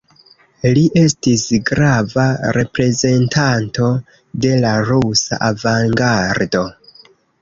Li estis grava reprezentanto de la rusa avangardo.